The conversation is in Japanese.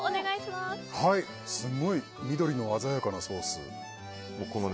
すごい、緑の鮮やかなソース。